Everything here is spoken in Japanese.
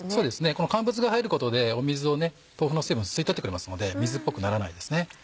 この乾物が入ることで豆腐の水分を吸い取ってくれますので水っぽくならないですね。